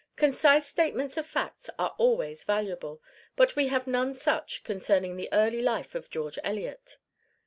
Concise statements of facts are always valuable, but we have none such concerning the early life of George Eliot.